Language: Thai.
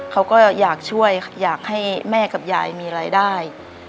เขาก็อยากช่วยอยากให้แม่กับยายมีรายได้